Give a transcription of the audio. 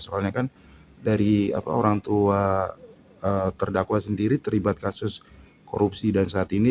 soalnya kan dari orang tua terdakwa sendiri terlibat kasus korupsi dan saat ini